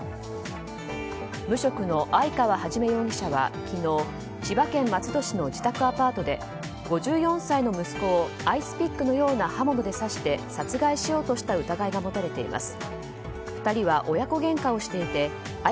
無職の相川肇容疑者は昨日千葉県松戸市の自宅アパートで５４歳の息子をアイスピックのような刃物で刺して殺害しようとした疑いが持たれています。